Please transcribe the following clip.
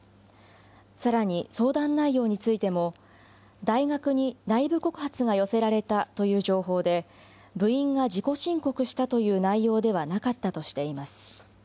さらに相談内容についても、大学に内部告発が寄せられたという情報で、部員が自己申告したという内容ではなかったとしています。